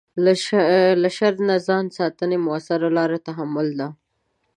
له شر نه ځان ساتنې مؤثره لاره تحمل ده.